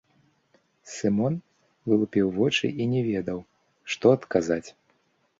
Сымон вылупіў вочы і не ведаў, што адказаць.